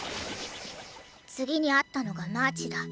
次に会ったのがマーチだ。